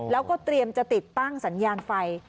แล้วก็เตรียมจะติดตั้งสัญญาณไฟ